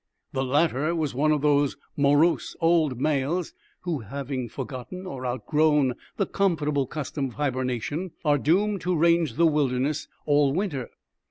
The latter was one of those morose old males, who, having forgotten or outgrown the comfortable custom of hibernation, are doomed to range the wilderness all winter.